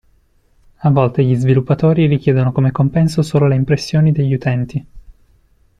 A volte gli sviluppatori richiedono come compenso solo le impressioni degli utenti.